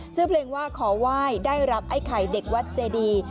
ชื่อเพลงว่าขอไหว้ได้รับไอ้ไข่เด็กวัดเจดี